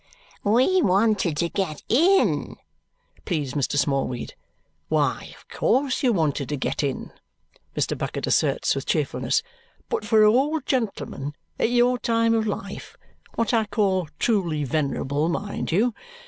"We wanted to get in," pleads Mr. Smallweed. "Why, of course you wanted to get in," Mr. Bucket asserts with cheerfulness; "but for a old gentleman at your time of life what I call truly venerable, mind you!